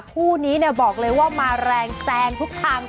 คู่นี้บอกเลยว่ามาแรงแซงทุกทาง